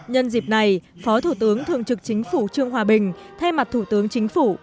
nhân dịp này phó thủ tướng thường trực chính phủ trương hòa bình thay mặt thủ tướng chính phủ